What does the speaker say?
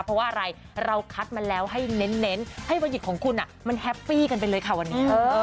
เพราะว่าอะไรเราคัดมาแล้วให้เน้นให้วัหยิบของคุณมันแฮปปี้กันไปเลยค่ะวันนี้